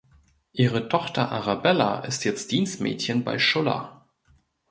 Ihre Tochter Arabella ist jetzt Dienstmädchen bei Schuller.